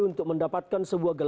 untuk mendapatkan sebuah gelar